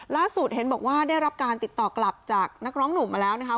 เห็นบอกว่าได้รับการติดต่อกลับจากนักร้องหนุ่มมาแล้วนะคะ